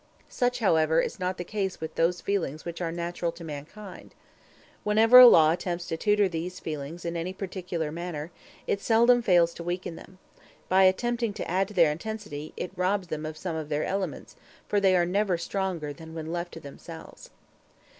Such, however, is not the case with those feelings which are natural to mankind. Whenever a law attempts to tutor these feelings in any particular manner, it seldom fails to weaken them; by attempting to add to their intensity, it robs them of some of their elements, for they are never stronger than when left to themselves.